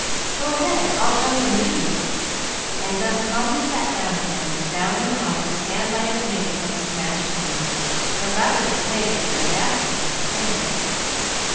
"Go ahead. I'll jump when you do;" and Gus calmly sat down again, bound in honor to stand by his mate till the smash came, though rather dismayed at the audacity of the prank.